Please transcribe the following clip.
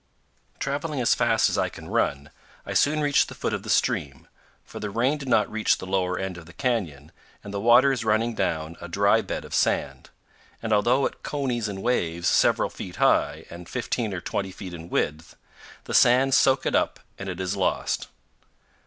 Traveling as fast as I can run, I soon reach the foot of the stream, for the rain did not reach the lower end of the canyon and the water is running down a dry bed of sand; and although it conies in waves several feet high and 15 or 20 feet in width, the sands soak it up and it is lost.